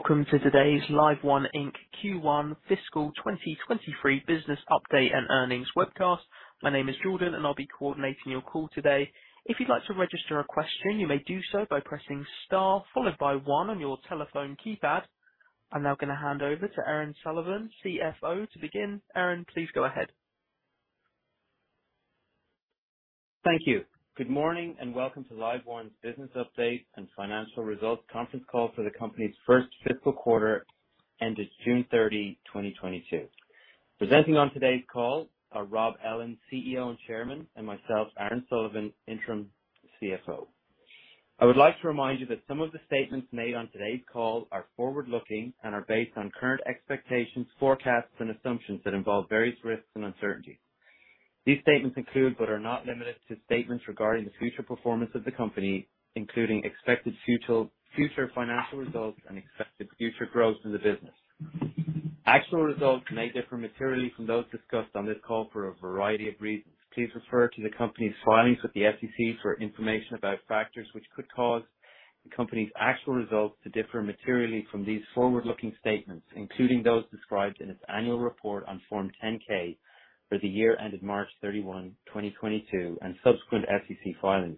Welcome to today's LiveOne, Inc. Q1 fiscal 2023 business update and earnings webcast. My name is Jordan, and I'll be coordinating your call today. If you'd like to register a question, you may do so by pressing star followed by one on your telephone keypad. I'm now gonna hand over to Aaron Sullivan, CFO, to begin. Aaron, please go ahead. Thank you. Good morning and welcome to LiveOne's business update and financial results conference call for the company's first fiscal quarter ended June 30, 2022. Presenting on today's call are Robert Ellin, CEO and Chairman, and myself, Aaron Sullivan, interim CFO. I would like to remind you that some of the statements made on today's call are forward-looking and are based on current expectations, forecasts, and assumptions that involve various risks and uncertainties. These statements include, but are not limited to, statements regarding the future performance of the company, including expected future financial results and expected future growth in the business. Actual results may differ materially from those discussed on this call for a variety of reasons. Please refer to the company's filings with the SEC for information about factors which could cause the company's actual results to differ materially from these forward-looking statements, including those described in its annual report on Form 10-K for the year ended March 31, 2022, and subsequent SEC filings.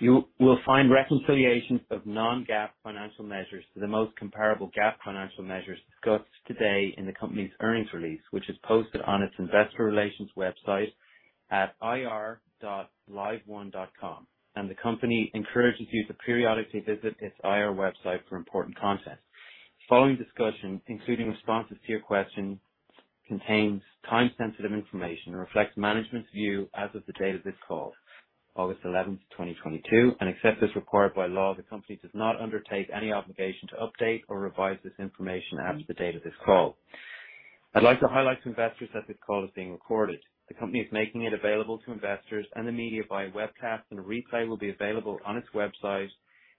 You will find reconciliations of non-GAAP financial measures to the most comparable GAAP financial measures discussed today in the company's earnings release, which is posted on its investor relations website at ir.liveone.com. The company encourages you to periodically visit its IR website for important content. The following discussion, including responses to your questions, contains time-sensitive information and reflects management's view as of the date of this call, August 11, 2022. Except as required by law, the company does not undertake any obligation to update or revise this information as of the date of this call. I'd like to highlight to investors that this call is being recorded. The company is making it available to investors and the media via webcast, and a replay will be available on its website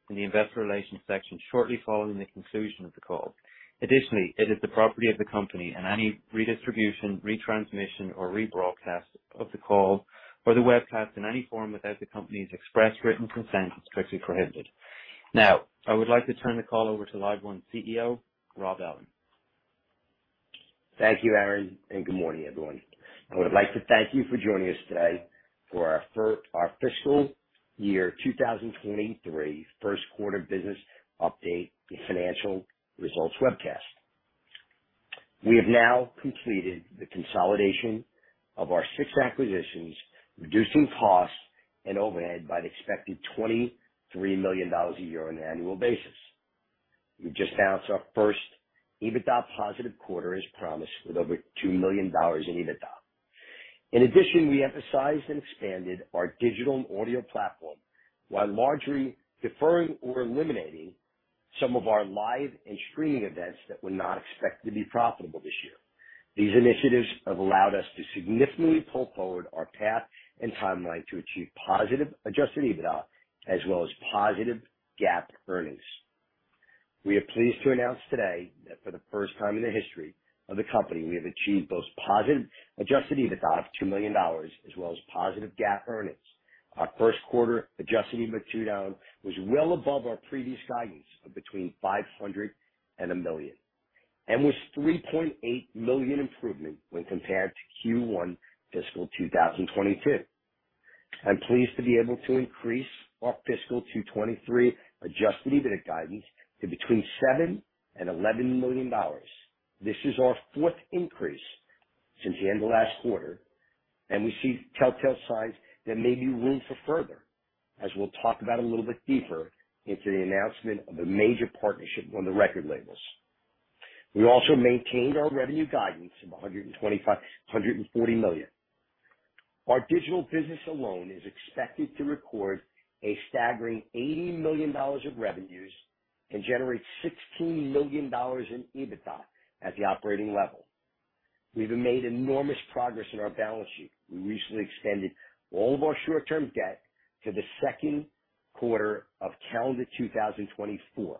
in the Investor Relations section shortly following the conclusion of the call. Additionally, it is the property of the company, and any redistribution, retransmission, or rebroadcast of the call or the webcast in any form without the company's express written consent is strictly prohibited. Now, I would like to turn the call over to LiveOne CEO, Robertert Ellin. Thank you, Aaron, and good morning, everyone. I would like to thank you for joining us today for our fiscal year 2023 first quarter business update and financial results webcast. We have now completed the consolidation of our six acquisitions, reducing costs and overhead by an expected $23 million a year on an annual basis. We've just announced our first EBITDA positive quarter as promised, with over $2 million in EBITDA. In addition, we emphasized and expanded our digital and audio platform while largely deferring or eliminating some of our live and streaming events that were not expected to be profitable this year. These initiatives have allowed us to significantly pull forward our path and timeline to achieve positive adjusted EBITDA as well as positive GAAP earnings. We are pleased to announce today that for the first time in the history of the company, we have achieved both positive adjusted EBITDA of $2 million as well as positive GAAP earnings. Our first quarter adjusted EBITDA was well above our previous guidance of between $500,000 and $1 million and was $3.8 million improvement when compared to Q1 fiscal 2022. I'm pleased to be able to increase our fiscal 2023 adjusted EBITDA guidance to between $7 million and $11 million. This is our fourth increase since the end of last quarter, and we see telltale signs there may be room for further, as we'll talk about a little bit deeper into the announcement of a major partnership on the record labels. We also maintained our revenue guidance of $125-$140 million. Our digital business alone is expected to record a staggering $80 million of revenues and generate $16 million in EBITDA at the operating level. We've made enormous progress in our balance sheet. We recently extended all of our short-term debt to the second quarter of calendar 2024.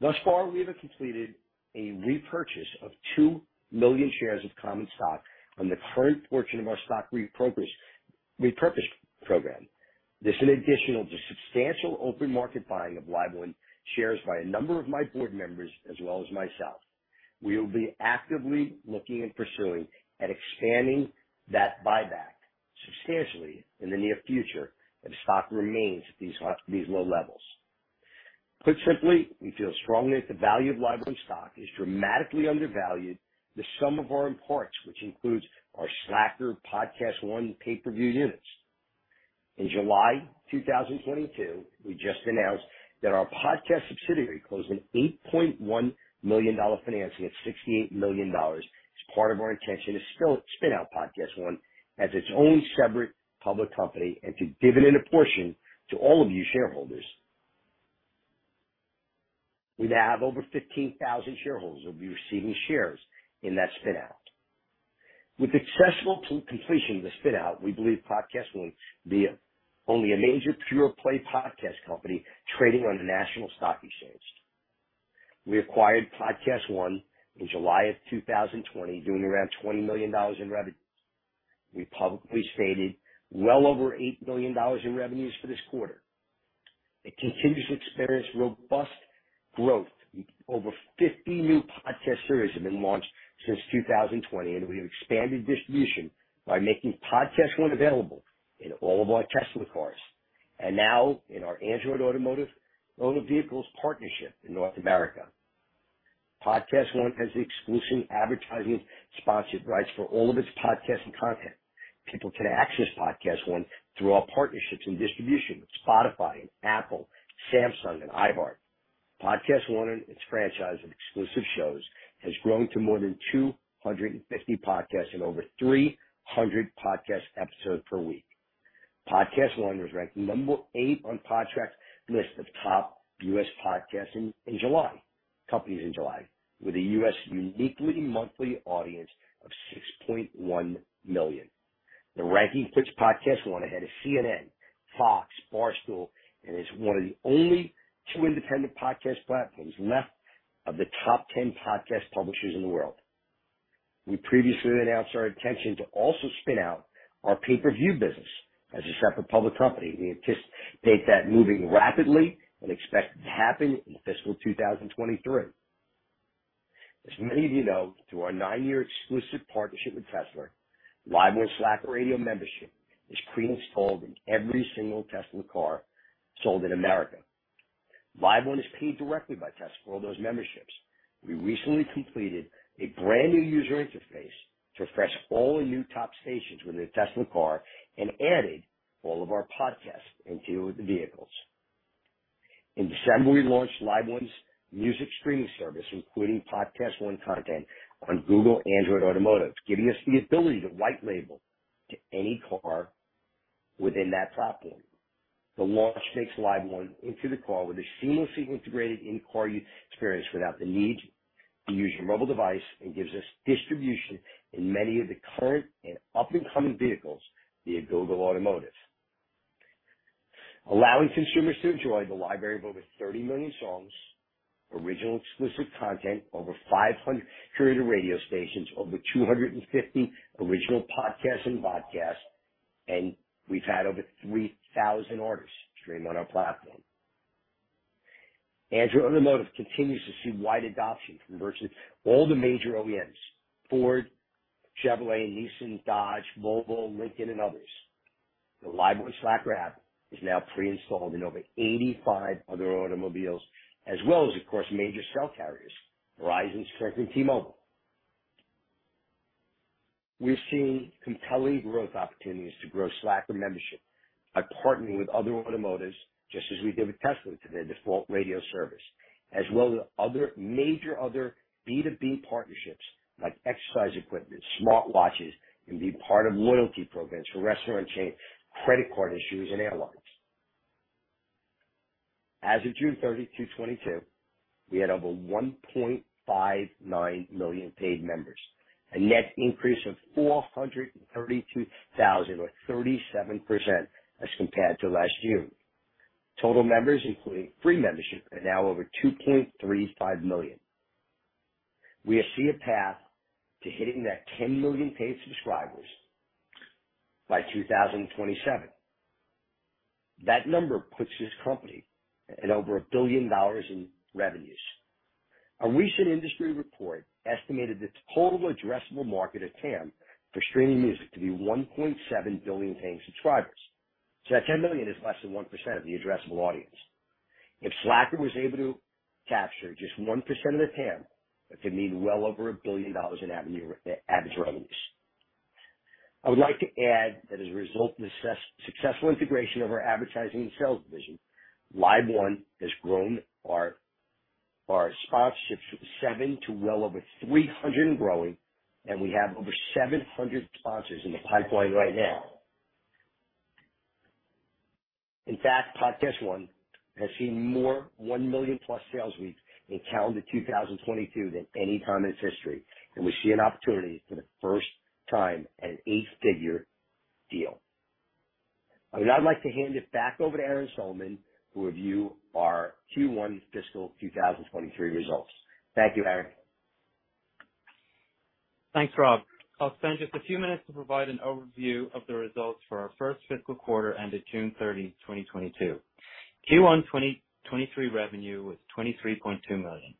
Thus far, we have completed a repurchase of 2 million shares of common stock on the current portion of our stock repurchase program. This is additional to substantial open market buying of LiveOne shares by a number of my board members as well as myself. We will be actively looking and pursuing at expanding that buyback substantially in the near future if stock remains at these low levels. Put simply, we feel strongly that the value of LiveOne stock is dramatically undervalued the sum of our parts, which includes our Slacker, PodcastOne, pay-per-view units. In July 2022, we just announced that our podcast subsidiary closed an $8.1 million financing at $68 million. It's part of our intention to spin out PodcastOne as its own separate public company and to dividend a portion to all of you shareholders. We now have over 15,000 shareholders who'll be receiving shares in that spin out. With successful completion of the spin out, we believe PodcastOne will be only a major pure play podcast company trading on the national stock exchange. We acquired PodcastOne in July of 2020, doing around $20 million in revenues. We publicly stated well over $8 million in revenues for this quarter. It continues to experience robust growth. Over 50 new podcast series have been launched since 2020, and we have expanded distribution by making PodcastOne available in all of our Tesla cars and now in our Android Automotive OEM vehicles partnership in North America. PodcastOne has the exclusive advertising sponsored rights for all of its podcast and content. People can access PodcastOne through our partnerships and distribution with Spotify, Apple, Samsung and iHeart. PodcastOne and its franchise of exclusive shows has grown to more than 250 podcasts and over 300 podcast episodes per week. PodcastOne was ranked number 8 on Podtrac's list of top U.S. podcast companies in July with a U.S. unique monthly audience of 6.1 million. The ranking puts PodcastOne ahead of CNN, Fox, Barstool, and is one of the only two independent podcast platforms left of the top ten podcast publishers in the world. We previously announced our intention to also spin out our pay-per-view business as a separate public company. We anticipate that moving rapidly and expect it to happen in fiscal 2023. As many of you know, through our 9-year exclusive partnership with Tesla, LiveOne Slacker Radio membership is pre-installed in every single Tesla car sold in America. LiveOne is paid directly by Tesla for all those memberships. We recently completed a brand new user interface to refresh all the new top stations within a Tesla car and added all of our podcasts into the vehicles. In December, we launched LiveOne's music streaming service, including PodcastOne content on Google Android Automotive, giving us the ability to white label to any car within that platform. The launch takes LiveOne into the car with a seamlessly integrated in-car user experience without the need to use your mobile device and gives us distribution in many of the current and up-and-coming vehicles via Google Automotive. Allowing consumers to enjoy the library of over 30 million songs, original exclusive content, over 500 curated radio stations, over 250 original podcasts and vodcasts, and we've had over 3,000 artists stream on our platform. Android Automotive continues to see wide adoption from virtually all the major OEMs: Ford, Chevrolet, Nissan, Dodge, Volvo, Lincoln and others. The LiveOne Slacker app is now pre-installed in over 85 other automobiles as well as, of course, major cell carriers Verizon, Sprint and T-Mobile. We're seeing compelling growth opportunities to grow Slacker membership by partnering with other automakers, just as we did with Tesla to their default radio service, as well as other major B2B partnerships like exercise equipment, smartwatches can be part of loyalty programs for restaurant chains, credit card issuers and airlines. As of June 30, 2022, we had over 1.59 million paid members, a net increase of 432,000 or 37% as compared to last June. Total members, including free membership, are now over 2.35 million. We foresee a path to hitting that 10 million paid subscribers by 2027. That number puts this company at over $1 billion in revenues. A recent industry report estimated the total addressable market of TAM for streaming music to be 1.7 billion paying subscribers. That 10 million is less than 1% of the addressable audience. If Slacker was able to capture just 1% of the TAM, that could mean well over $1 billion in annual average revenues. I would like to add that as a result of the successful integration of our advertising and sales division, LiveOne has grown our sponsorships from 7 to well over 300 and growing, and we have over 700 sponsors in the pipeline right now. In fact, PodcastOne has seen more $1 million-plus sales weeks in calendar 2022 than any time in its history, and we see an opportunity for the first time an eight-figure deal. I would now like to hand it back over to Aaron Sullivan who will review our Q1 fiscal 2023 results. Thank you, Aaron. Thanks, Robert. I'll spend just a few minutes to provide an overview of the results for our first fiscal quarter ended June 30, 2022. Q1 2023 revenue was $23.2 million.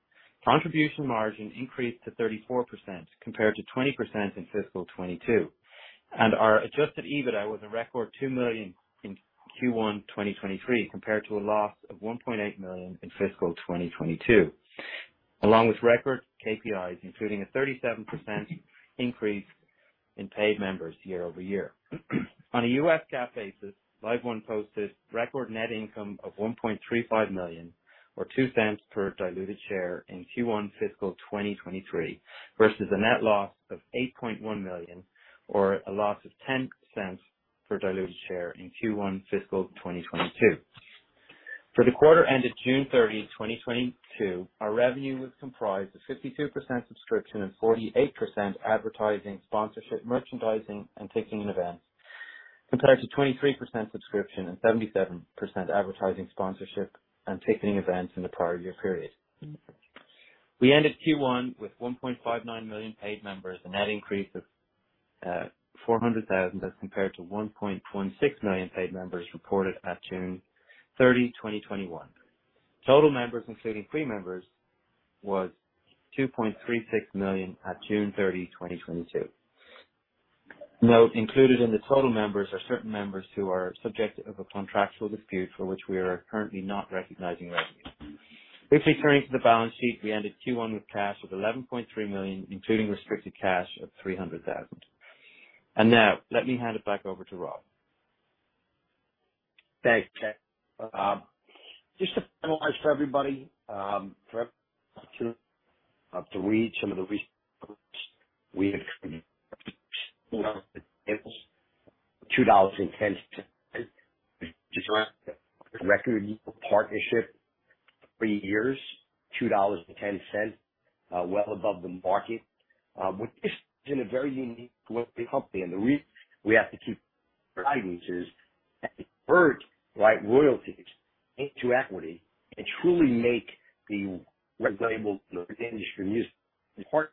Contribution margin increased to 34% compared to 20% in fiscal 2022, and our adjusted EBITDA was a record $2 million in Q1 2023 compared to a loss of $1.8 million in fiscal 2022, along with record KPIs, including a 37% increase in paid members year-over-year. On a U.S. GAAP basis, LiveOne posted record net income of $1.35 million or $0.02 per diluted share in Q1 fiscal 2023 versus a net loss of $8.1 million or a loss of $0.10 per diluted share in Q1 fiscal 2022. For the quarter ended June 30, 2022, our revenue was comprised of 52% subscription and 48% advertising, sponsorship, merchandising and ticketing events. Compared to 23% subscription and 77% advertising sponsorship and ticketing events in the prior year period. We ended Q1 with 1.59 million paid members, a net increase of 400,000 as compared to 1.16 million paid members reported at June 30, 2021. Total members, including free members, was 2.36 million at June 30, 2022. Note, included in the total members are certain members who are subject of a contractual dispute for which we are currently not recognizing revenue. Briefly turning to the balance sheet, we ended Q1 with cash of $11.3 million, including restricted cash of $300,000. Now let me hand it back over to Robert. Thanks, Chad. Just to finalize for everybody, the opportunity to read some of the recent, we have $2.10 per record partnership three years, $2.10, well above the market. We're in a very unique global company, and the reason we have to keep guidance is that we convert, right, royalties into equity and truly make the white label industry music partner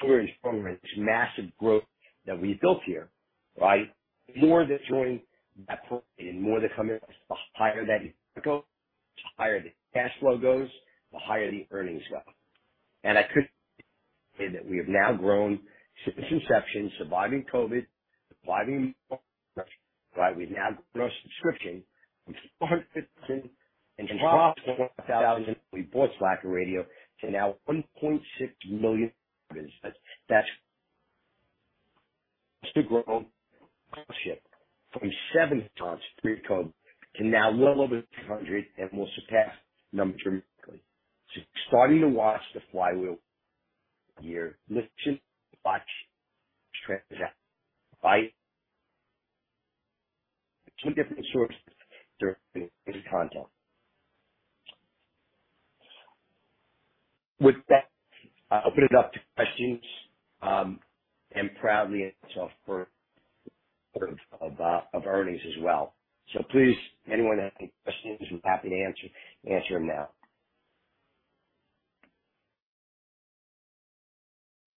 for this massive growth that we built here, right? The more that join that program and more that come in, the higher that it goes, the higher the cash flow goes, the higher the earnings go. I could say that we have now grown since inception, surviving COVID, right? We've now grown subscription from 250 in 12,000 when we bought Slacker Radio to now 1.6 million. That's to grow from 7x pre-COVID to now well over 300, and we'll surpass numbers. Starting to watch the flywheel year. Listen, watch by two different sources during any content. With that, I'll open it up to questions, and proudly answer for Robert on earnings as well. Please, anyone have any questions, we're happy to answer them now.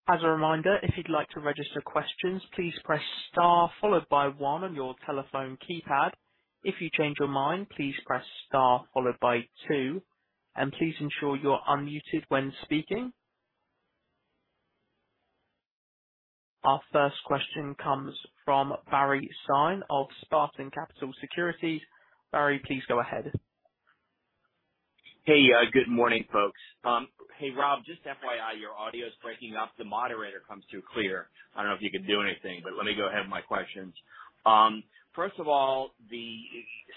As a reminder, if you'd like to register questions, please press star followed by one on your telephone keypad. If you change your mind, please press star followed by two, and please ensure you're unmuted when speaking. Our first question comes from Barry Sine of Spartan Capital Securities. Barry, please go ahead. Hey, good morning, folks. Hey, Robert, just FYI, your audio is breaking up. The moderator comes through clear. I don't know if you can do anything, but let me go ahead with my questions. First of all, the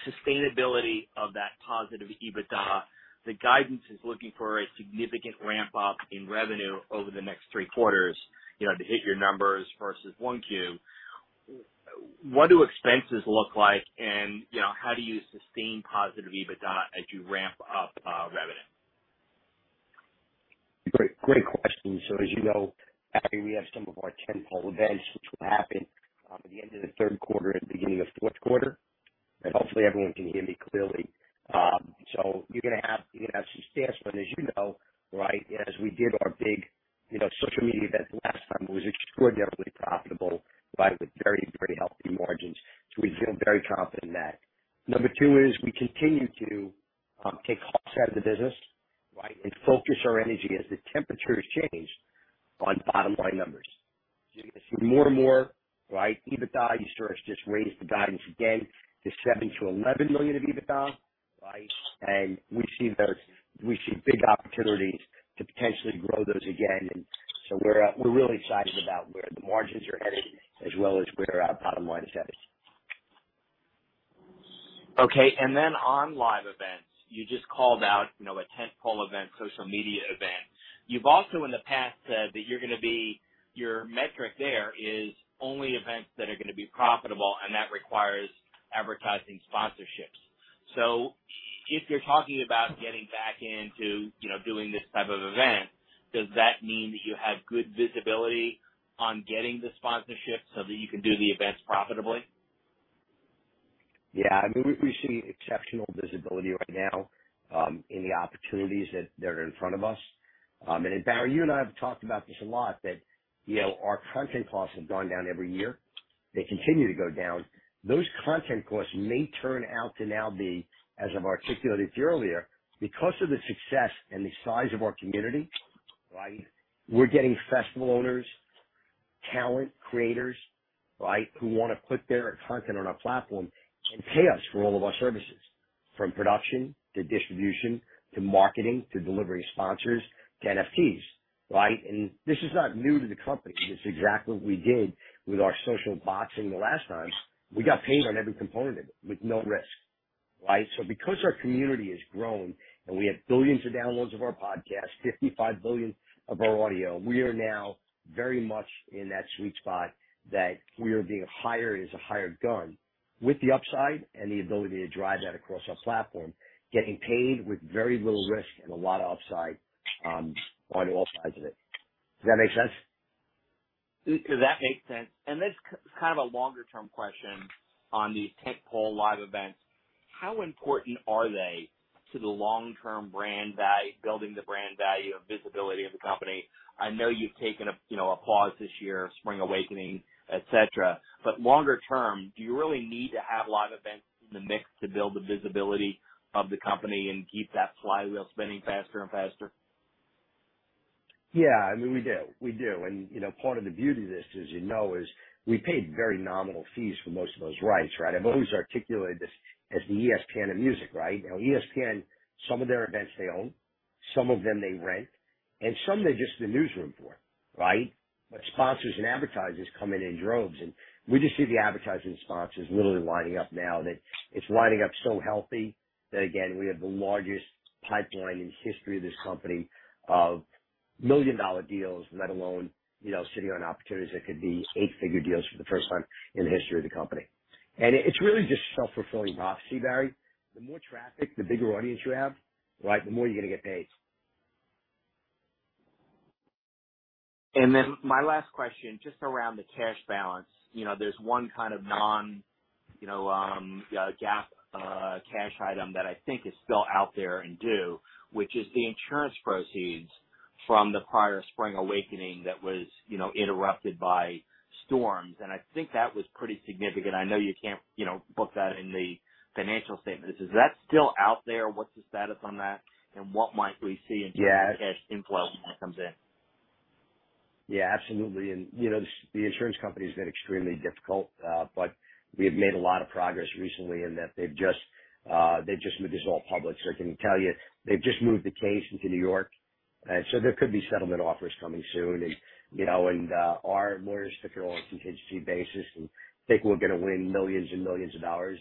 sustainability of that positive EBITDA, the guidance is looking for a significant ramp up in revenue over the next 3 quarters, you know, to hit your numbers versus 1Q. What do expenses look like? And, you know, how do you sustain positive EBITDA as you ramp up revenue? Great question. As you know, Barry, we have some of our tentpole events which will happen at the end of the third quarter and beginning of fourth quarter. Hopefully everyone can hear me clearly. You're gonna have some spend. As you know, right as we did our big, you know, social media event last time, it was extraordinarily profitable, right, with very, very healthy margins. We feel very confident in that. Number two is we continue to take costs out of the business, right? Focus our energy as the temperatures change on bottom line numbers. You're gonna see more and more, right, EBITDA. You saw us just raise the guidance again to $7 million-$11 million of EBITDA, right? We see those big opportunities to potentially grow those again. We're really excited about where the margins are headed as well as where our bottom line is headed. Okay. On live events, you just called out, you know, a tentpole event, social media event. You've also in the past said that you're gonna be, your metric there is only events that are gonna be profitable, and that requires advertising sponsorships. If you're talking about getting back into, you know, doing this type of event, does that mean that you have good visibility on getting the sponsorship so that you can do the events profitably? Yeah. I mean, we see exceptional visibility right now in the opportunities that are in front of us. Barry, you and I have talked about this a lot, that you know, our content costs have gone down every year. They continue to go down. Those content costs may turn out to now be, as I've articulated to you earlier, because of the success and the size of our community, right? We're getting festival owners, talent creators, right, who wanna put their content on our platform and pay us for all of our services, from production to distribution to marketing to delivery, sponsors to NFTs, right? This is not new to the company. It's exactly what we did with our Social Gloves the last time. We got paid on every component with no risk, right? Because our community has grown and we have billions of downloads of our podcasts, 55 billion of our audio, we are now very much in that sweet spot that we are being hired as a hired gun with the upside and the ability to drive that across our platform, getting paid with very little risk and a lot of upside, on all sides of it. Does that make sense? That makes sense. This kind of a longer term question on these tentpole live events. How important are they to the long-term brand value, building the brand value of visibility of the company? I know you've taken a, you know, a pause this year, Spring Awakening, et cetera. Longer term, do you really need to have live events in the mix to build the visibility of the company and keep that flywheel spinning faster and faster? Yeah, I mean, we do. You know, part of the beauty of this is, you know, we paid very nominal fees for most of those rights, right? I've always articulated this as the ESPN of music, right? You know, ESPN, some of their events they own, some of them they rent, and some they're just the newsroom for, right? Sponsors and advertisers come in in droves, and we just see the advertising sponsors literally lining up now that it's lining up so healthy that again, we have the largest pipeline in the history of this company of million-dollar deals, let alone, you know, sitting on opportunities that could be eight-figure deals for the first time in the history of the company. It's really just a self-fulfilling prophecy, Barry. The more traffic, the bigger audience you have, right, the more you're gonna get paid. My last question, just around the cash balance. You know, there's one kind of non-GAAP cash item that I think is still out there, indeed, which is the insurance proceeds from the prior Spring Awakening that was, you know, interrupted by storms. I think that was pretty significant. I know you can't, you know, book that in the financial statements. Is that still out there? What's the status on that? What might we see in terms- Yeah. of cash inflow when that comes in? Yeah, absolutely. You know, the insurance company's been extremely difficult, but we have made a lot of progress recently in that they've just made this all public. I can tell you they've just moved the case into New York. There could be settlement offers coming soon. You know, our lawyers took it all on contingency basis, and think we're gonna win millions and millions of dollars.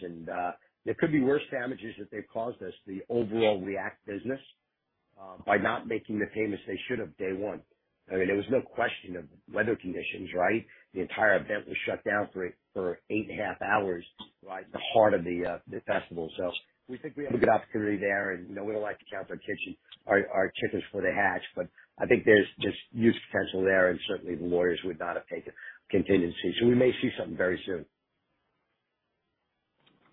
There could be worse damages that they've caused us, the overall React business, by not making the payments they should have day one. I mean, there was no question of weather conditions, right? The entire event was shut down for eight and a half hours right at the heart of the festival. We think we have a good opportunity there. You know, we don't like to count our chickens before they hatch, but I think there's just huge potential there. Certainly, the lawyers would not have taken contingency. We may see something very soon.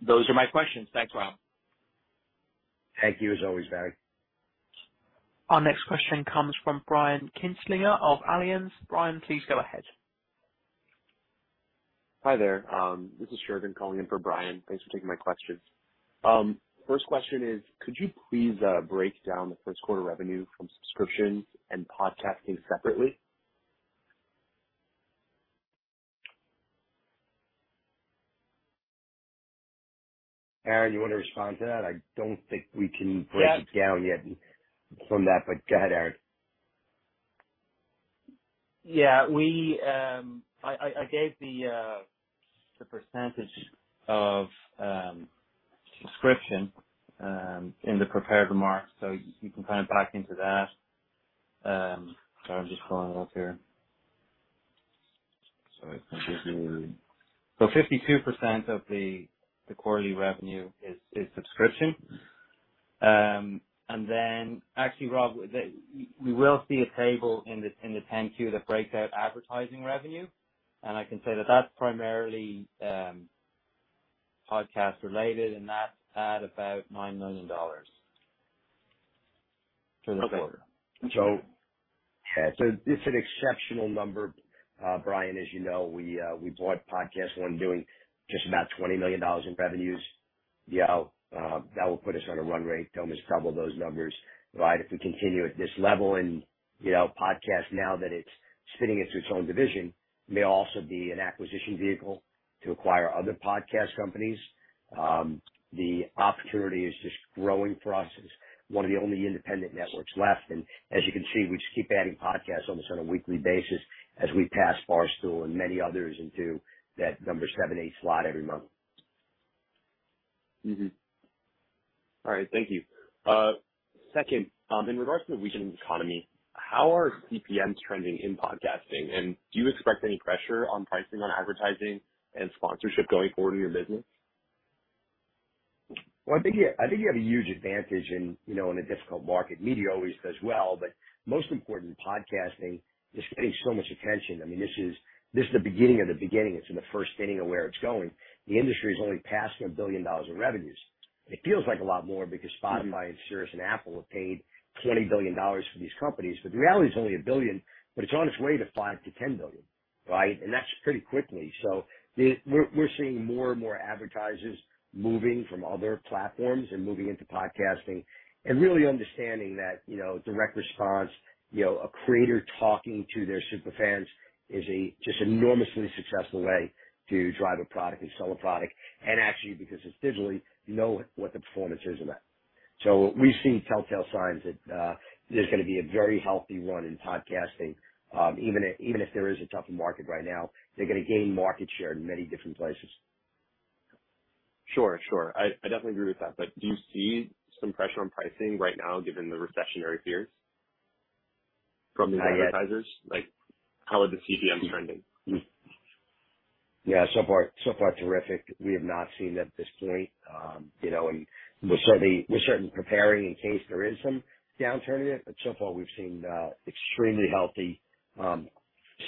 Those are my questions. Thanks, Robert. Thank you as always, Barry. Our next question comes from Brian Kinstlinger of Alliance. Brian, please go ahead. Hi there. This is Sherman calling in for Brian. Thanks for taking my questions. First question is, could you please break down the first quarter revenue from subscriptions and podcasting separately? Aaron, you wanna respond to that? I don't think we can. Yes. Go ahead, Aaron. Yeah, I gave the percentage of subscription in the prepared remarks, so you can kind of back into that. Sorry, I'm just pulling it up here. Sorry. 52% of the quarterly revenue is subscription. Actually, Robert, you will see a table in the 10-Q that breaks out advertising revenue. I can say that that's primarily podcast related and that's at about $9 million for the quarter. It's an exceptional number, Brian, as you know, we bought PodcastOne doing just about $20 million in revenues. You know, that will put us on a run rate to almost double those numbers, right? If we continue at this level in, you know, podcast now that it's spinning into its own division, may also be an acquisition vehicle to acquire other podcast companies. The opportunity is just growing for us as one of the only independent networks left. As you can see, we just keep adding podcasts almost on a weekly basis as we pass Barstool and many others into that number 7, 8 slot every month. All right. Thank you. Second, in regards to the weakening economy, how are CPMs trending in podcasting, and do you expect any pressure on pricing on advertising and sponsorship going forward in your business? Well, I think you have a huge advantage in, you know, in a difficult market. Media always does well, but most important, podcasting is getting so much attention. I mean, this is the beginning of the beginning. It's in the first inning of where it's going. The industry is only past $1 billion in revenues. It feels like a lot more because Spotify and SiriusXM and Apple have paid $20 billion for these companies. But the reality is only $1 billion, but it's on its way to $5 billion-$10 billion, right? That's pretty quickly. We're seeing more and more advertisers moving from other platforms and moving into podcasting and really understanding that, you know, direct response, you know, a creator talking to their super fans is just enormously successful way to drive a product and sell a product. Actually, because it's digital, you know what the performance is of that. We've seen telltale signs that there's gonna be a very healthy run in podcasting. Even if there is a tougher market right now, they're gonna gain market share in many different places. Sure, sure. I definitely agree with that. Do you see some pressure on pricing right now given the recessionary fears from the advertisers? Like, how are the CPMs trending? Yeah, so far terrific. We have not seen it at this point. You know, we're certainly preparing in case there is some downturn in it. So far, we've seen extremely healthy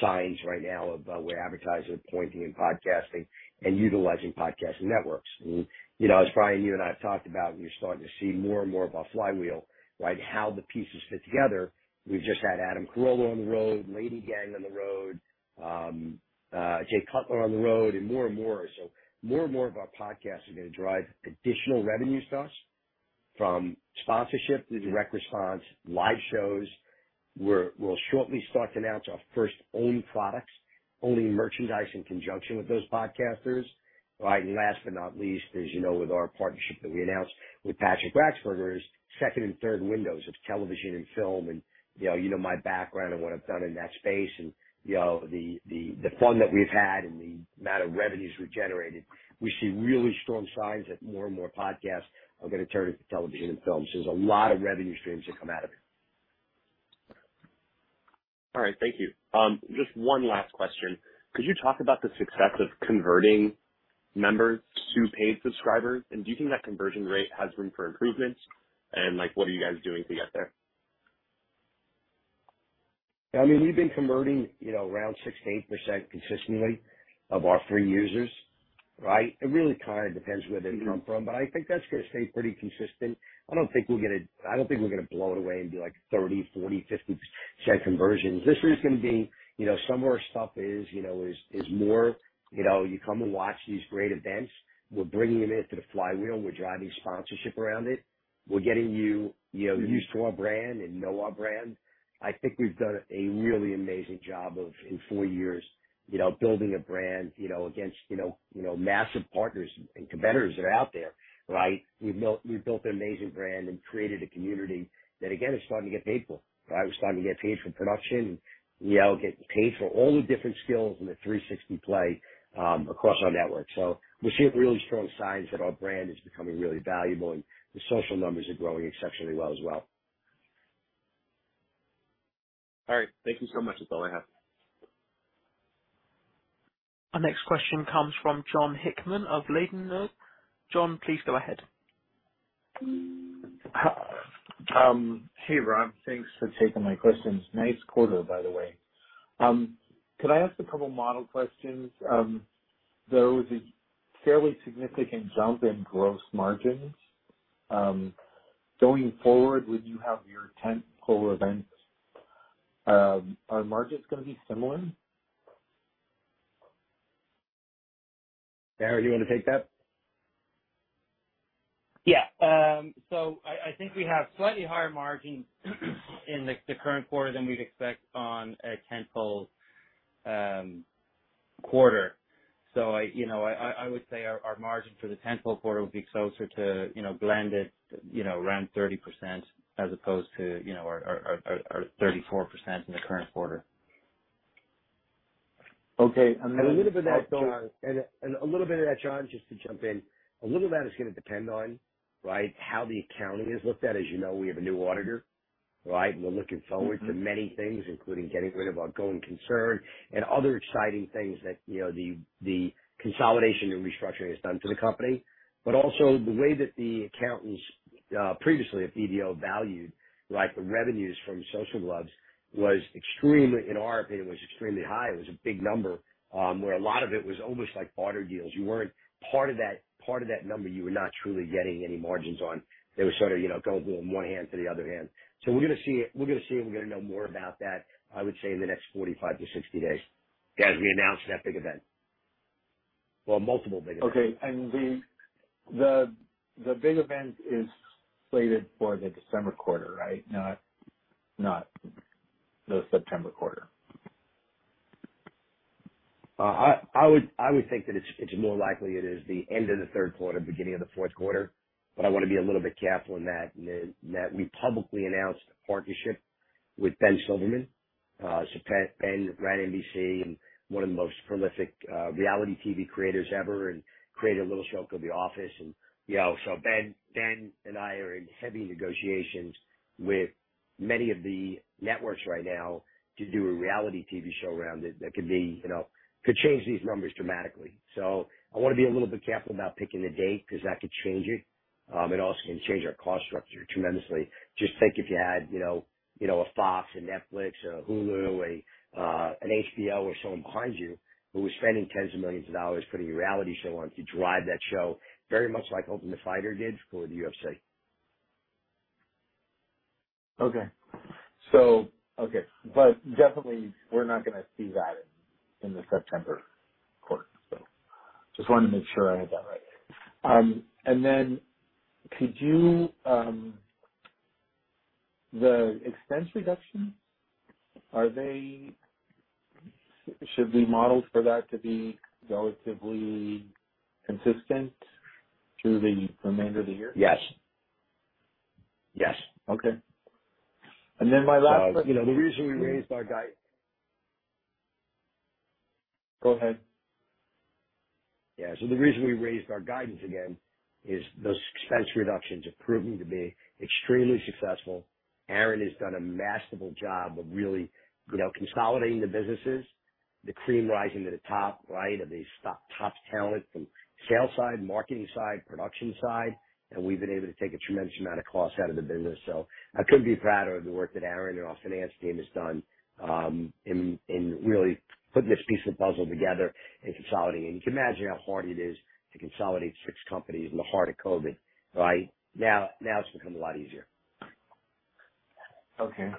signs right now of where advertisers are pointing in podcasting and utilizing podcasting networks. You know, as Brian, you and I have talked about, we're starting to see more and more of our flywheel, right? How the pieces fit together. We've just had Adam Carolla on the road, LadyGang on the road, Jay Cutler on the road, and more and more. More and more of our podcasts are gonna drive additional revenue to us from sponsorship to direct response, live shows. We'll shortly start to announce our first own products, owning merchandise in conjunction with those podcasters, right? Last but not least, as you know, with our partnership that we announced with Patrick Wachsberger, is second and third windows of television and film. You know my background and what I've done in that space. You know, the fun that we've had and the amount of revenues we generated, we see really strong signs that more and more podcasts are gonna turn into television and films. There's a lot of revenue streams that come out of it. All right. Thank you. Just one last question. Could you talk about the success of converting members to paid subscribers, and do you think that conversion rate has room for improvements? Like, what are you guys doing to get there? I mean, we've been converting, you know, around 6%-8% consistently of our free users, right? It really kinda depends where they come from. I think that's gonna stay pretty consistent. I don't think we're gonna blow it away and do, like, 30%, 40%, 50% conversions. This is gonna be, you know, some of our stuff is more, you know, you come and watch these great events. We're bringing them into the flywheel. We're driving sponsorship around it. We're getting you know, used to our brand and know our brand. I think we've done a really amazing job of in four years, you know, building a brand, you know, against, you know, massive partners and competitors that are out there, right? We built an amazing brand and created a community that again, is starting to get paid for, right? We're starting to get paid for production and, you know, getting paid for all the different skills and the 360 play across our network. We're seeing really strong signs that our brand is becoming really valuable, and the social numbers are growing exceptionally well as well. All right. Thank you so much. That's all I have. Our next question comes from Jon Hickman of Ladenburg. Jon, please go ahead. Hey, Robert, thanks for taking my questions. Nice quarter, by the way. Could I ask a couple of model questions? There was a fairly significant jump in gross margins. Going forward, when you have your tentpole event, are margins gonna be similar? Barry, you wanna take that? Yeah. I think we have slightly higher margins in the current quarter than we'd expect on a 10th full quarter. I would say our margin for the 10th full quarter would be closer to, you know, blended, you know, around 30% as opposed to, you know, our 34% in the current quarter. Okay. A little bit of that, John, just to jump in, a little of that is gonna depend on, right, how the accounting is looked at. As you know, we have a new auditor, right? We're looking forward to many things, including getting rid of our going concern and other exciting things that, you know, the consolidation and restructuring has done for the company, but also the way that the accountants previously at BDO valued, right, the revenues from Social Gloves was extremely high, in our opinion. It was a big number, where a lot of it was almost like barter deals. You weren't part of that number, you were not truly getting any margins on. They were sort of, you know, going from one hand to the other hand. We're gonna see, and we're gonna know more about that, I would say in the next 45-60 days as we announce that big event. Well, multiple big events. Okay. The big event is slated for the December quarter, right? Not the September quarter. I would think that it's more likely it is the end of the third quarter, beginning of the fourth quarter. I wanna be a little bit careful in that we publicly announced a partnership with Ben Silverman. Ben ran NBC and one of the most prolific reality TV creators ever, and created a little show called The Office. You know, Ben and I are in heavy negotiations with many of the networks right now to do a reality TV show around it that could, you know, change these numbers dramatically. I wanna be a little bit careful about picking the date because that could change it. It also can change our cost structure tremendously. Just think if you had, you know, a Fox, a Netflix, a Hulu, an HBO or someone behind you who was spending tens of millions of dollars putting a reality show on to drive that show, very much like Ultimate Fighter did for the UFC. Okay. Definitely we're not gonna see that in the September quarter. Just wanted to make sure I had that right. The expense reductions, should we model for that to be relatively consistent through the remainder of the year? Yes. Yes. Okay. My last one. You know, the reason we raised our guide- Go ahead. Yeah. The reason we raised our guidance again is those expense reductions have proven to be extremely successful. Aaron has done a masterful job of really, you know, consolidating the businesses, the cream rising to the top, right, of the top talent from sales side, marketing side, production side. We've been able to take a tremendous amount of cost out of the business. I couldn't be prouder of the work that Aaron and our finance team has done in really putting this piece of the puzzle together and consolidating. You can imagine how hard it is to consolidate six companies in the heart of COVID, right? Now it's become a lot easier. Okay.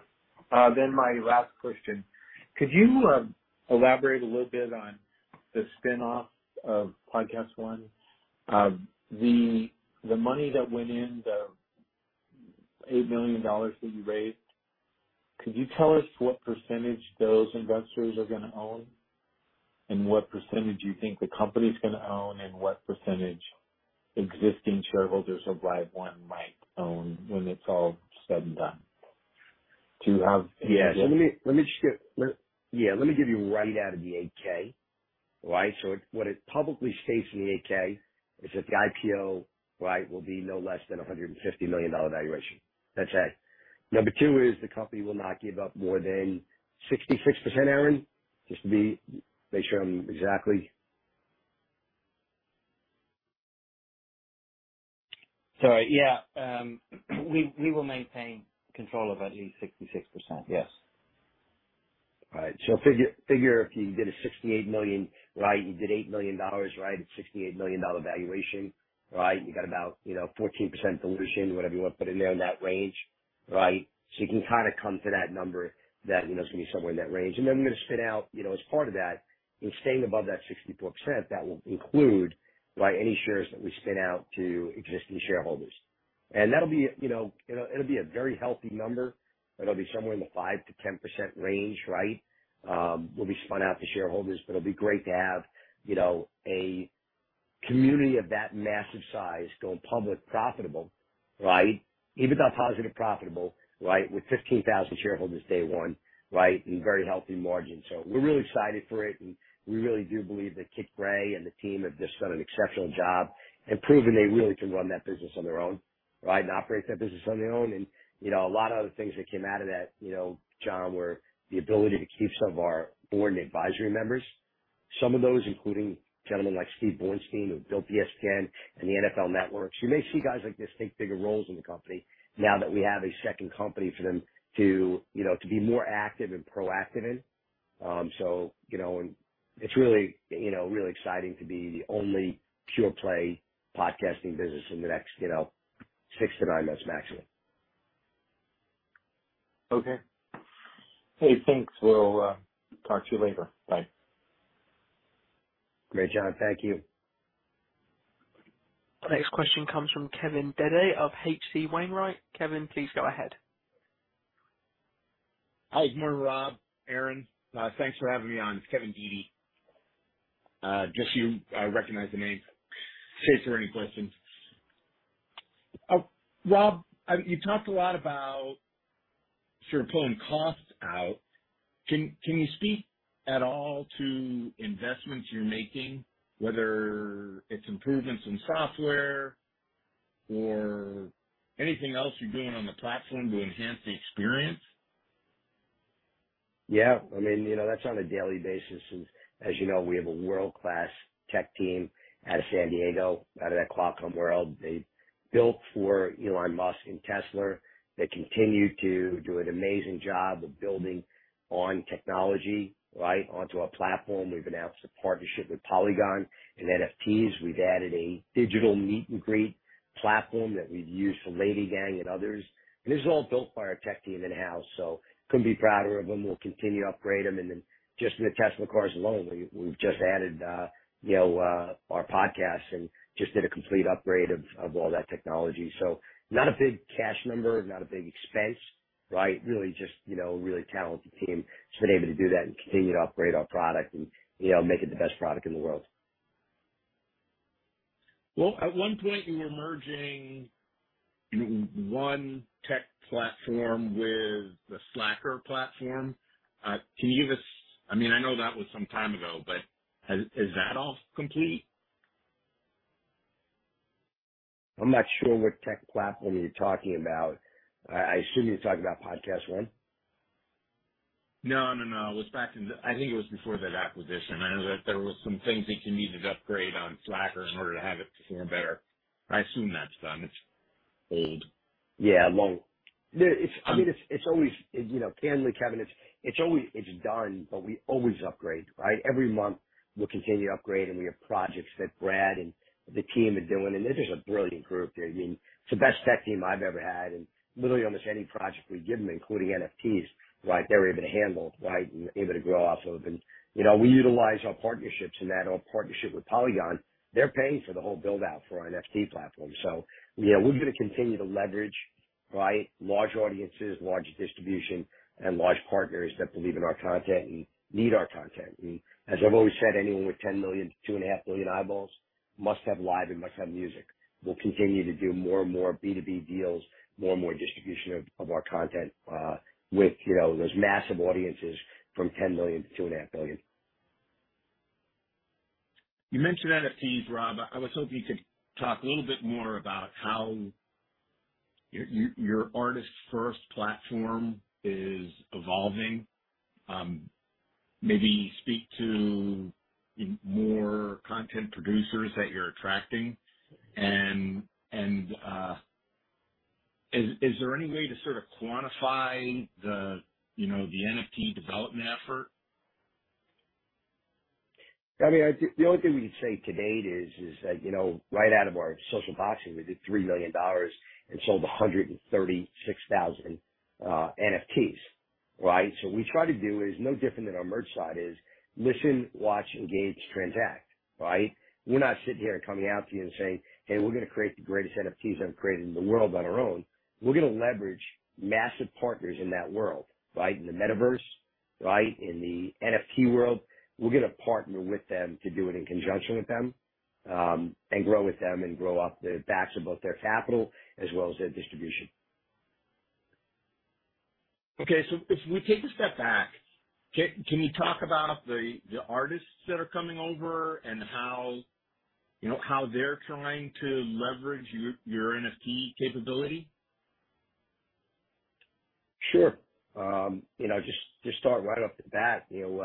My last question. Could you elaborate a little bit on the spinoff of PodcastOne? The money that went in, the $8 million that you raised, could you tell us what percentage those investors are gonna own, and what percentage do you think the company's gonna own, and what percentage existing shareholders of LiveOne might own when it's all said and done? Yeah. Let me give you right out of the 8-K, right? What it publicly states in the 8-K is that the IPO, right, will be no less than $150 million valuation. That's A. Number two is the company will not give up more than 66%. Aaron, just to make sure I'm exactly. Sorry. Yeah. We will maintain control of at least 66%. Yes. All right. Figure if you did a $68 million, right, you did $8 million, right, at $68 million valuation, right? You got about, you know, 14% dilution, whatever you want to put in there in that range, right? You can kinda come to that number that, you know, it's gonna be somewhere in that range. Then we're gonna spin out, you know, as part of that and staying above that 64%, that will include, right, any shares that we spin out to existing shareholders. That'll be, you know, it'll be a very healthy number. It'll be somewhere in the 5%-10% range, right, will be spun out to shareholders. It'll be great to have, you know, a community of that massive size going public profitable, right? Even though positive profitable, right, with 15,000 shareholders day one, right, and very healthy margins. We're really excited for it, and we really do believe that Kit Gray and the team have just done an exceptional job and proven they really can run that business on their own, right, and operate that business on their own. You know, a lot of other things that came out of that, you know, Jon, were the ability to keep some of our board and advisory members, some of those including gentlemen like Steve Bornstein, who built ESPN and the NFL Network. You may see guys like this take bigger roles in the company now that we have a second company for them to, you know, to be more active and proactive in. You know, it's really, you know, really exciting to be the only pure play podcasting business in the next, you know, 6-9 months maximum. Okay. Hey, thanks. We'll talk to you later. Bye. Great, Jon. Thank you. Next question comes from Kevin Dede of H.C. Wainwright. Kevin, please go ahead. Hi, good morning, Robert, Aaron. Thanks for having me on. It's Kevin Dede. Just so you recognize the name in case there are any questions. Robert, you talked a lot about sort of pulling costs out. Can you speak at all to investments you're making, whether it's improvements in software or anything else you're doing on the platform to enhance the experience? Yeah. I mean, you know, that's on a daily basis. As you know, we have a world-class tech team out of San Diego, out of that Qualcomm world. They built for Elon Musk and Tesla. They continue to do an amazing job of building on technology, right, onto our platform. We've announced a partnership with Polygon in NFTs. We've added a digital meet and greet platform that we've used for Lady Gang and others. This is all built by our tech team in-house, so couldn't be prouder of them. We'll continue to upgrade them. Then just with the Tesla cars alone, we've just added, you know, our podcasts and just did a complete upgrade of all that technology. So not a big cash number, not a big expense, right? Really just, you know, a really talented team that's been able to do that and continue to upgrade our product and, you know, make it the best product in the world. Well, at one point you were merging LiveOne tech platform with the Slacker platform. Can you give us, I mean, I know that was some time ago, but is that all complete? I'm not sure what tech platform you're talking about. I assume you're talking about PodcastOne. No, no. I think it was before that acquisition. I know that there were some things that you needed to upgrade on Slacker in order to have it perform better. I assume that's done. It's old. Yeah, long. It's, I mean, it's always, you know, candidly, Kevin, it's done but we always upgrade, right? Every month we'll continue to upgrade, and we have projects that Brad and the team are doing, and this is a brilliant group. It's the best tech team I've ever had, and literally almost any project we give them, including NFTs, right, they're able to handle, right? And able to grow off of. You know, we utilize our partnerships in that. Our partnership with Polygon, they're paying for the whole buildout for our NFT platform. You know, we're gonna continue to leverage, right, large audiences, large distribution, and large partners that believe in our content and need our content. As I've always said, anyone with 10 million, 2.5 billion eyeballs must have LiveOne and must have music. We'll continue to do more and more B2B deals, more and more distribution of our content, you know, with those massive audiences from 10 million to 2.5 billion. You mentioned NFTs, Robert. I was hoping you could talk a little bit more about how your artist first platform is evolving. Maybe speak to more content producers that you're attracting and is there any way to sort of quantify the, you know, the NFT development effort? I mean, the only thing we can say to date is that, you know, right out of our Social Gloves, we did $3 million and sold 136,000 NFTs, right? What we try to do is no different than our merch side is listen, watch, engage, transact, right? We're not sitting here and coming out to you and saying, "Hey, we're gonna create the greatest NFTs ever created in the world on our own." We're gonna leverage massive partners in that world, right? In the metaverse, right, in the NFT world. We're gonna partner with them to do it in conjunction with them, and grow with them and grow off the backs of both their capital as well as their distribution. Okay. If we take a step back, can you talk about the artists that are coming over and how you know how they're trying to leverage your NFT capability? Sure. You know, just start right off the bat, you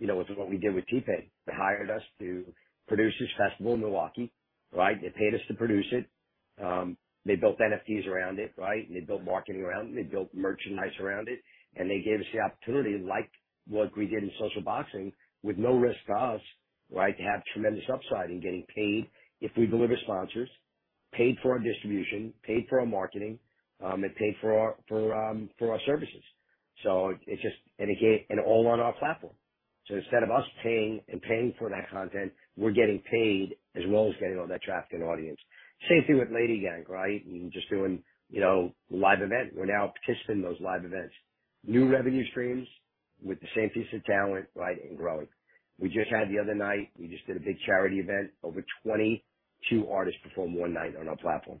know, with what we did with T-Pain. They hired us to produce his festival in Milwaukee, right? They paid us to produce it. They built NFTs around it, right? And they built marketing around it. They built merchandise around it. And they gave us the opportunity, like what we did in Social Gloves, with no risk to us, right? To have tremendous upside in getting paid if we deliver sponsors. Paid for our distribution, paid for our marketing, and paid for our services. It just and again all on our platform. Instead of us paying and paying for that content, we're getting paid as well as getting all that traffic and audience. Same thing with The LadyGang, right? In just doing, you know, live event. We're now participating in those live events. New revenue streams with the same piece of talent, right, and growing. We just had the other night, we just did a big charity event. Over 22 artists performed one night on our platform.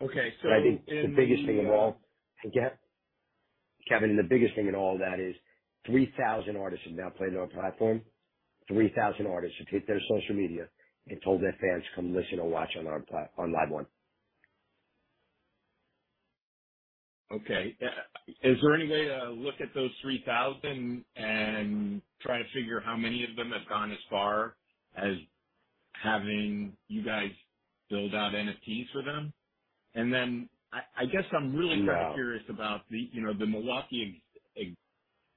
Okay, so- I think the biggest thing of all. Again, Kevin, the biggest thing in all that is 3,000 artists have now played on our platform. 3,000 artists have hit their social media and told their fans to come listen or watch on LiveOne. Okay. Is there any way to look at those 3,000 and try to figure how many of them have gone as far as having you guys build out NFTs for them? I guess I'm really curious about the, you know, the Milwaukee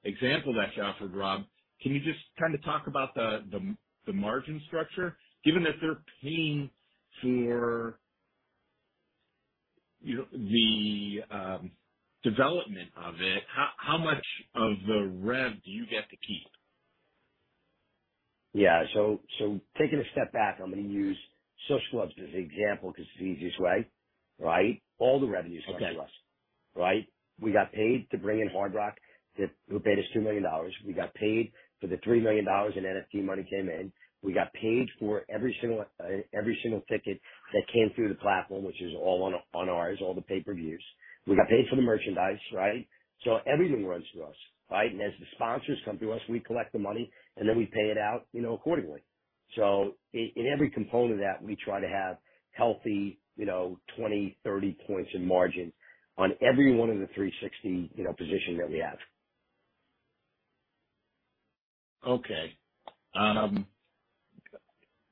example that you offered, Robert. Can you just kind of talk about the margin structure given that they're paying for, you know, the development of it, how much of the rev do you get to keep? Yeah. Taking a step back, I'm gonna use Social Gloves as an example because it's the easiest way, right? All the revenue comes to us, right? We got paid to bring in Hard Rock. They paid us $2 million. We got paid for the $3 million in NFT money came in. We got paid for every single ticket that came through the platform, which is all on ours, all the pay-per-views. We got paid for the merchandise, right? Everything runs through us, right? As the sponsors come to us, we collect the money, and then we pay it out, you know, accordingly. In every component of that, we try to have healthy, you know, 20%-30% margin on every one of the 360, you know, position that we have. Okay.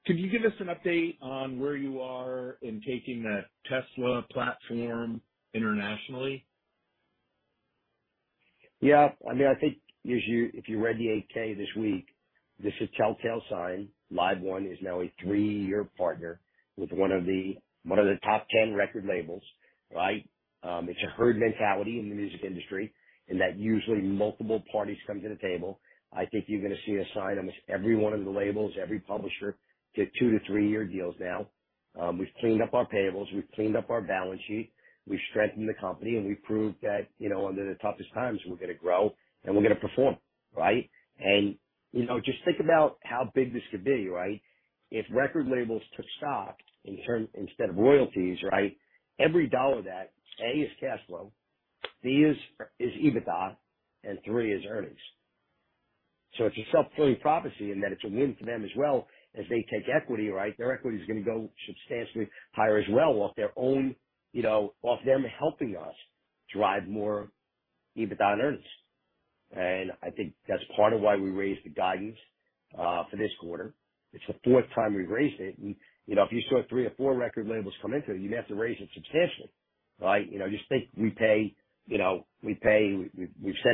Could you give us an update on where you are in taking the Tesla platform internationally? Yeah. I mean, I think if you read the 8-K this week, this is telltale sign. LiveOne is now a 3-year partner with one of the top 10 record labels, right? It's a herd mentality in the music industry, and that usually multiple parties come to the table. I think you're gonna see a sign, almost every one of the labels, every publisher get 2- to 3-year deals now. We've cleaned up our payables, we've cleaned up our balance sheet, we've strengthened the company, and we've proved that, you know, under the toughest times, we're gonna grow, and we're gonna perform, right? You know, just think about how big this could be, right? If record labels took stock in terms instead of royalties, right? Every dollar that, A, is cash flow, B, is EBITDA, and 3, is earnings. It's a self-fulfilling prophecy in that it's a win for them as well as they take equity, right? Their equity is gonna go substantially higher as well off them helping us drive more EBITDA and earnings. I think that's part of why we raised the guidance for this quarter. It's the fourth time we've raised it. If you saw three or four record labels come into it, you'd have to raise it substantially, right? Just think we've said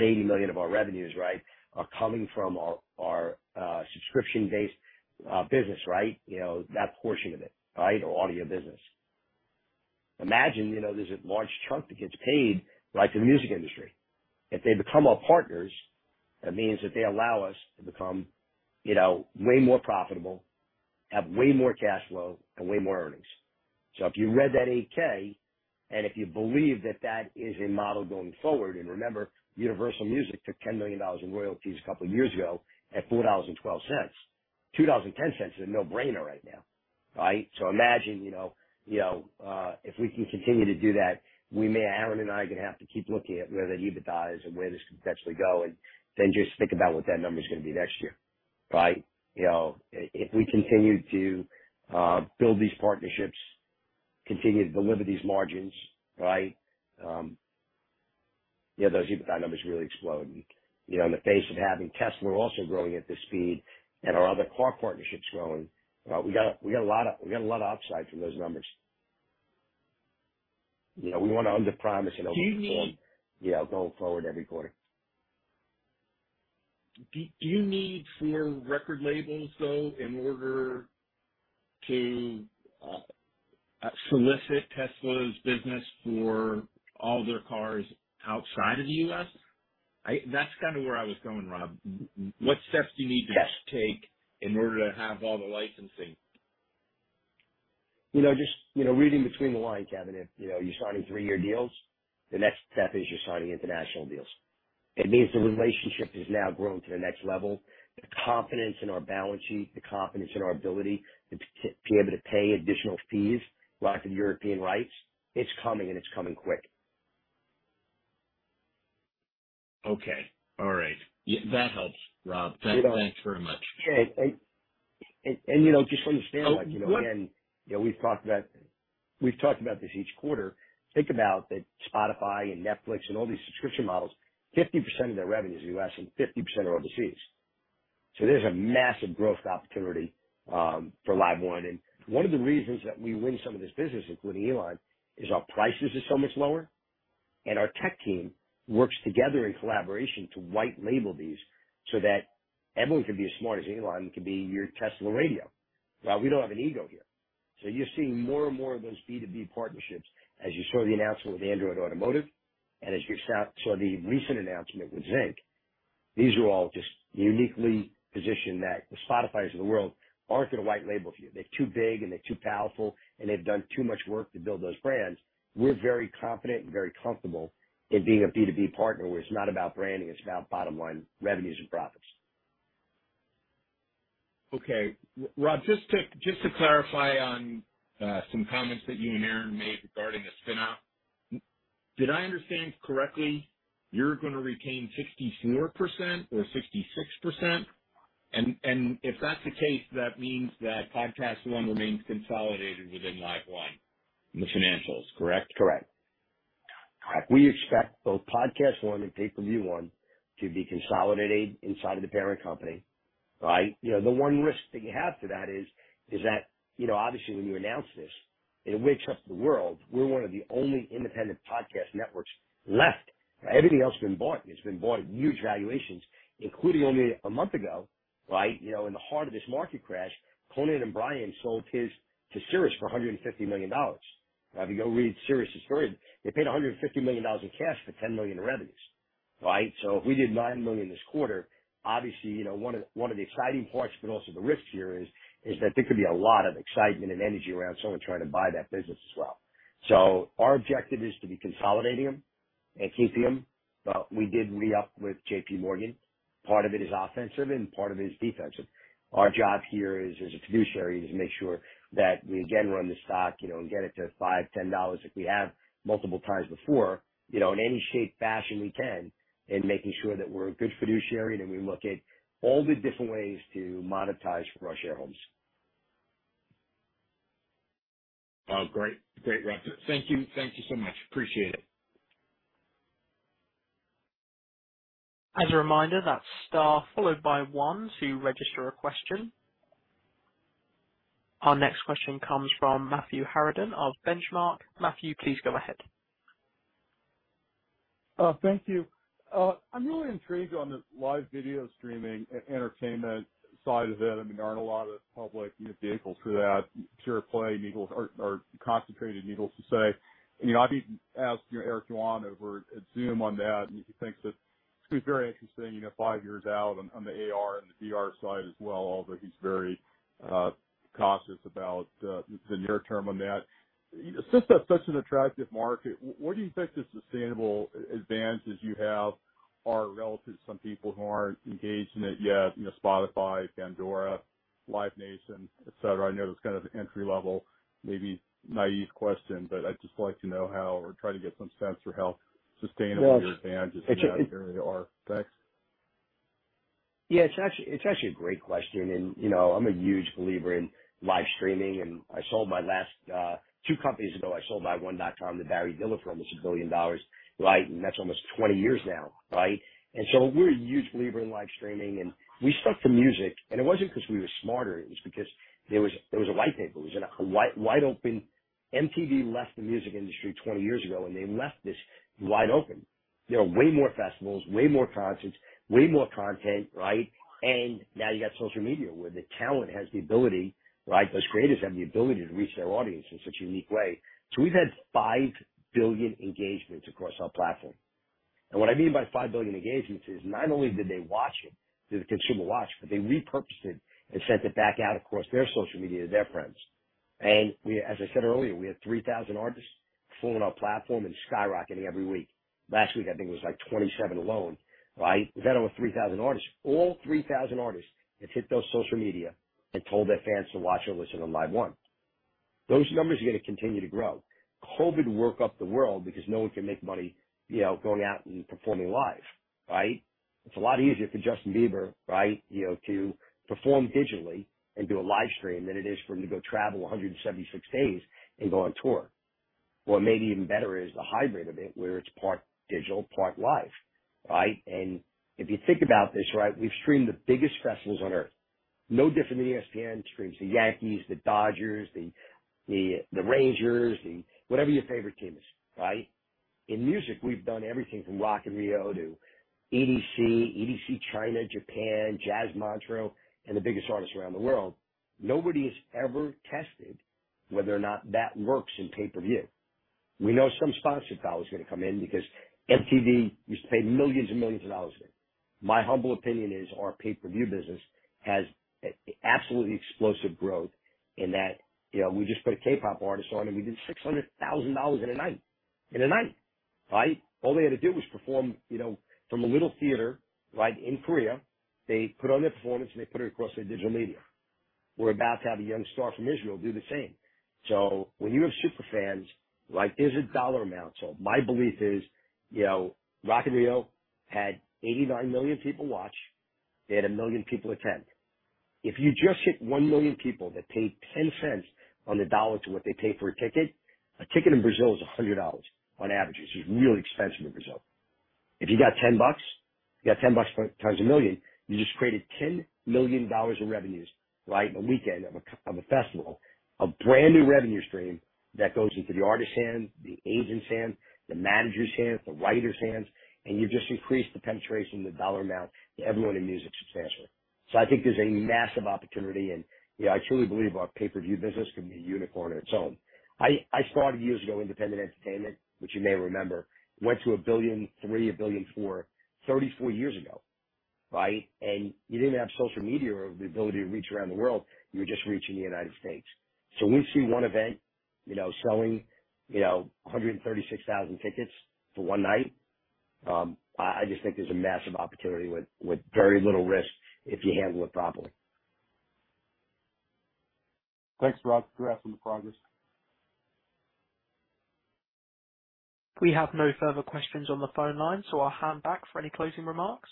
$80 million of our revenues, right, are coming from our subscription-based business, right? That portion of it, right, our audio business. Imagine there's a large chunk that gets paid, right, to the music industry. If they become our partners, that means that they allow us to become, you know, way more profitable, have way more cash flow, and way more earnings. If you read that 8-K and if you believe that that is a model going forward, and remember, Universal Music Group took $10 million in royalties a couple years ago at $4.12. $2.10 is a no-brainer right now, right? Imagine, you know, if we can continue to do that, Aaron and I are gonna have to keep looking at where that EBITDA is and where this could potentially go. Just think about what that number is gonna be next year. Right? You know, if we continue to build these partnerships, continue to deliver these margins, right? Yeah, those EBITDA numbers really explode. You know, in the face of having Tesla also growing at this speed and our other car partnerships growing, we got a lot of upside from those numbers. You know, we wanna underpromise and overdeliver. Do you need? Yeah, going forward every quarter. Do you need more record labels, though, in order to solicit Tesla's business for all their cars outside of the U.S.? That's kind of where I was going, Robert. What steps do you need to take in order to have all the licensing? You know, just, you know, reading between the lines, Kevin, if, you know, you're signing three-year deals, the next step is you're signing international deals. It means the relationship has now grown to the next level. The confidence in our balance sheet, the confidence in our ability to be able to pay additional fees, like the European rights, it's coming, and it's coming quick. Okay. All right. Yeah, that helps, Robert. You know. Thanks very much. Yeah, you know, just understand, like, you know, again, you know, we've talked about this each quarter. Think about that Spotify and Netflix and all these subscription models, 50% of their revenue is U.S., and 50% are overseas. There's a massive growth opportunity for LiveOne. One of the reasons that we win some of this business, including Elon, is our prices are so much lower, and our tech team works together in collaboration to white label these so that everyone can be as smart as Elon can be your Tesla radio. Well, we don't have an ego here. You're seeing more and more of those B2B partnerships. As you saw the announcement with Android Automotive, and as you saw the recent announcement with ZYNC. These are all just uniquely positioned that the Spotifys of the world aren't gonna white label for you. They're too big and they're too powerful, and they've done too much work to build those brands. We're very confident and very comfortable in being a B2B partner, where it's not about branding, it's about bottom line revenues and profits. Okay. Robert, just to clarify on some comments that you and Aaron made regarding the spin-out. Did I understand correctly you're gonna retain 64% or 66%? If that's the case, that means that PodcastOne remains consolidated within LiveOne in the financials, correct? Correct. All right. We expect both PodcastOne and Pay-Per-View One to be consolidated inside of the parent company. Right? You know, the one risk that you have to that is that, you know, obviously when you announce this, it wakes up the world. We're one of the only independent podcast networks left. Everything else has been bought, and it's been bought at huge valuations, including only a month ago, right? You know, in the heart of this market crash, Conan O'Brien sold his to SiriusXM for $150 million. If you go read SiriusXM's story, they paid $150 million in cash for $10 million in revenues. Right? If we did $9 million this quarter, obviously, you know, one of the exciting parts, but also the risks here is that there could be a lot of excitement and energy around someone trying to buy that business as well. Our objective is to be consolidating them and keeping them. We did re-up with JP Morgan. Part of it is offensive, and part of it is defensive. Our job here is, as a fiduciary, to make sure that we again run the stock, you know, and get it to $5, $10 if we have multiple times before, you know, in any shape, fashion we can, in making sure that we're a good fiduciary, and then we look at all the different ways to monetize for our shareholders. Oh, great. Great, Robert. Thank you. Thank you so much. Appreciate it. As a reminder, that's star followed by one to register a question. Our next question comes from Matthew Harrigan of Benchmark. Matthew, please go ahead. Thank you. I'm really intrigued on the live video streaming entertainment side of it. I mean, there aren't a lot of public, you know, vehicles for that. Pure play names or concentrated names to say. You know, I've even asked, you know, Eric Yuan over at Zoom on that, and he thinks that it's gonna be very interesting, you know, five years out on the AR and the VR side as well, although he's very cautious about the near term on that. You know, since that's such an attractive market, what do you think the sustainable advances you have are relative to some people who aren't engaged in it yet, you know, Spotify, Pandora, Live Nation, et cetera? I know that's kind of an entry-level, maybe naive question, but I'd just like to know how or try to get some sense for how sustainable your advantages in that area are. Thanks. Yeah, it's actually a great question. You know, I'm a huge believer in live streaming, and I sold my last 2 companies ago, I sold iWon.com to Barry Diller for almost $1 billion, right? That's almost 20 years now, right? We're a huge believer in live streaming, and we stuck to music. It wasn't because we were smarter. It was because there was a white space. It was in a wide open. MTV left the music industry 20 years ago, and they left this wide open. There are way more festivals, way more concerts, way more content, right? Now you got social media, where the talent has the ability, right, those creators have the ability to reach their audience in such a unique way. We've had 5 billion engagements across our platform. What I mean by 5 billion engagements is not only did they watch it, did the consumer watch, but they repurposed it and sent it back out across their social media to their friends. As I said earlier, we had 3,000 artists forming our platform and skyrocketing every week. Last week, I think it was like 27 alone, right? We've had over 3,000 artists. All 3,000 artists have hit those social media and told their fans to watch or listen on LiveOne. Those numbers are gonna continue to grow. COVID worked up the world because no one can make money, you know, going out and performing live, right? It's a lot easier for Justin Bieber, right, you know, to perform digitally and do a live stream than it is for him to go travel 176 days and go on tour. What may be even better is the hybrid of it, where it's part digital, part live, right? If you think about this, right, we've streamed the biggest festivals on Earth. No different than ESPN streams the Yankees, the Dodgers, the Rangers, whatever your favorite team is, right? In music, we've done everything from Rock in Rio to EDC China, Japan, Montreux Jazz, and the biggest artists around the world. Nobody has ever tested whether or not that works in pay-per-view. We know some sponsorship dollar is gonna come in because MTV used to pay millions and millions of dollars a year. My humble opinion is our pay-per-view business has absolutely explosive growth in that, you know, we just put a K-pop artist on, and we did $600,000 in a night. In a night, right. All they had to do was perform, you know, from a little theater, right, in Korea. They put on their performance, and they put it across their digital media. We're about to have a young star from Israel do the same. When you have super fans, like there's a dollar amount. My belief is, you know, Rock in Rio had 89 million people watch. They had 1 million people attend. If you just hit 1 million people that pay ten cents on the dollar to what they pay for a ticket, a ticket in Brazil is $100 on average. It's really expensive in Brazil. If you got $10, you got $10 times a million, you just created $10 million in revenues, right? In a weekend of a festival. A brand new revenue stream that goes into the artist's hands, the agent's hands, the manager's hands, the writer's hands, and you've just increased the penetration of the dollar amount to everyone in music substantially. I think there's a massive opportunity and, you know, I truly believe our pay-per-view business can be a unicorn on its own. I started years ago Independent Entertainment, which you may remember, went to $1.3 billion, $1.4 billion, 34 years ago, right? You didn't have social media or the ability to reach around the world. You were just reaching the United States. We see one event, you know, selling, you know, 136,000 tickets for one night. I just think there's a massive opportunity with very little risk if you handle it properly. Thanks, Robert. Congrats on the progress. We have no further questions on the phone line, so I'll hand back for any closing remarks.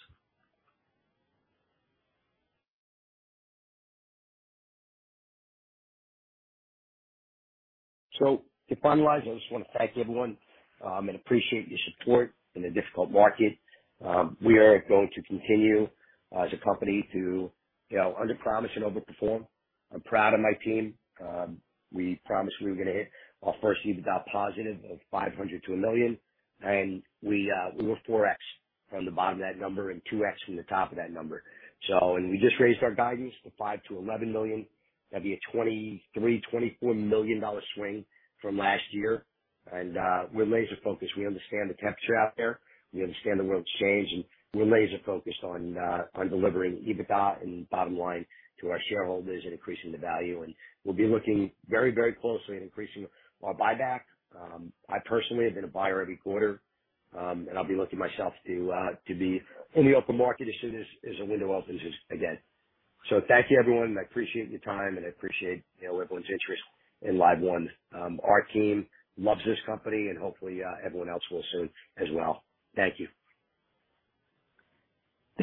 To finalize, I just want to thank everyone and appreciate your support in a difficult market. We are going to continue as a company to, you know, underpromise and overperform. I'm proud of my team. We promised we were gonna hit our first EBITDA positive of $500,000-$1 million, and we were 4x from the bottom of that number and 2x from the top of that number. We just raised our guidance from $5 million to $11 million. That'd be a $23-$24 million swing from last year. We're laser focused. We understand the temperature out there. We understand the world's changed, and we're laser focused on delivering EBITDA and bottom line to our shareholders and increasing the value. We'll be looking very, very closely at increasing our buyback. I personally have been a buyer every quarter. I'll be looking myself to be in the open market as soon as a window opens. Thank you, everyone. I appreciate your time, and I appreciate, you know, everyone's interest in LiveOne. Our team loves this company and hopefully everyone else will soon as well. Thank you.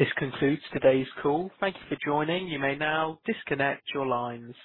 This concludes today's call. Thank you for joining. You may now disconnect your lines.